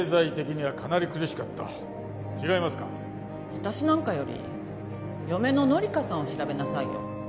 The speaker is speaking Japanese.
私なんかより嫁の紀香さんを調べなさいよ。